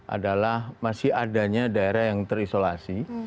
adalah masih adanya daerah yang terisolasi